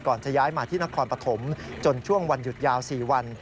จะย้ายมาที่นครปฐมจนช่วงวันหยุดยาว๔วัน